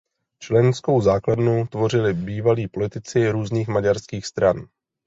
Členskou základnu tvořili bývalí politici různých maďarských stran.